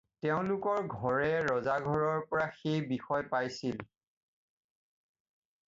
তেওঁলোকৰ ঘৰে ৰজাঘৰৰ পৰা সেই বিষয় পাইছিল।